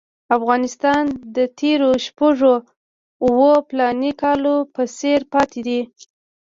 افغانستان د تېرو شپږو اوو فلاني کالو په څېر پاتې دی.